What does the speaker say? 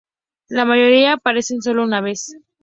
La mayoría aparecen sólo una vez.